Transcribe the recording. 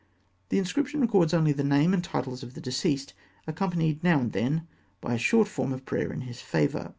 The inscription records only the name and titles of the deceased, accompanied now and then by a short form of prayer in his favour.